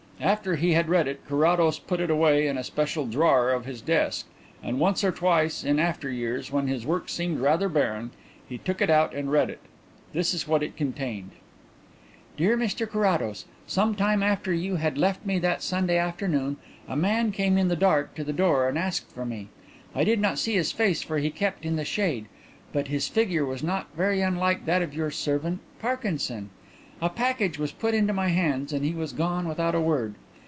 After he had read it Carrados put it away in a special drawer of his desk, and once or twice in after years, when his work seemed rather barren, he took it out and read it. This is what it contained: "DEAR MR CARRADOS, Some time after you had left me that Sunday afternoon, a man came in the dark to the door and asked for me. I did not see his face for he kept in the shade, but his figure was not very unlike that of your servant Parkinson. A packet was put into my hands and he was gone without a word.